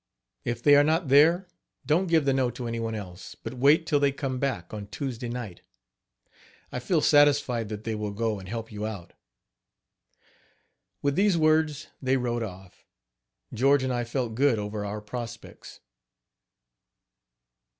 If they are not there don't give the note to any one else, but wait till they come back, on Tuesday night. I feel satisfied that they will go and help you out." With these words, they rode off. George and I felt good over our prospects.